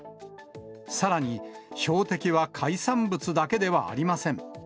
さらに、標的は海産物だけではありません。